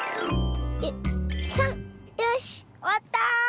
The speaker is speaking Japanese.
よしおわった！